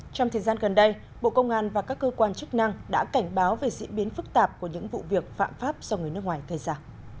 trong thời gian gần đây bộ công an và các cơ quan chức năng đã cảnh báo về diễn biến phức tạp của những vụ việc phạm pháp do người nước ngoài gây ra